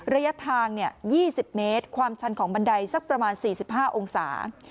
ระยะทาง๒๐เมตรความชันของบันไดสักประมาณ๔๕องศา